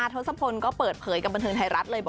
ทศพลก็เปิดเผยกับบันเทิงไทยรัฐเลยบอก